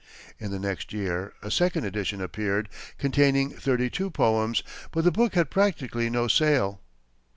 In the next year, a second edition appeared, containing thirty two poems; but the book had practically no sale.